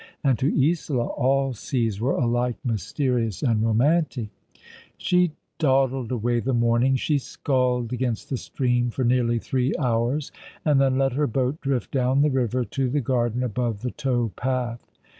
— and to Isola all seas were alike mysterious and romantic. ^^ Oh Moment One a^id Infinite !''' 33 She dawdled away the morning ; she sculled against the stream for nearly three hours, and then let her boat drift down the river to the garden above the tow path.